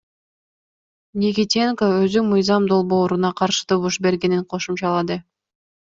Никитенко өзү мыйзам долбооруна каршы добуш бергенин кошумчалады.